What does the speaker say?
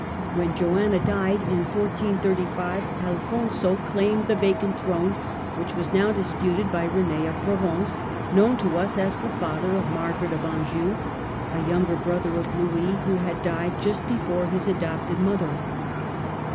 When Joanna died in 1435, Alfonso claimed the vacant throne, which was now dis puted by Rene of Provence, known to us as the father of Margaret of Anjou, a younger brother of Louis who had died just before his adopted mother.